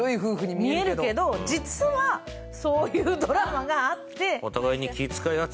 見えるけど、実は、そういうドラマがあって。